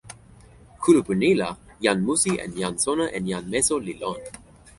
kulupu ni la, jan musi en jan sona en jan meso li lon.